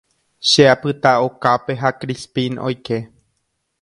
Che apyta okápe ha Crispín oike.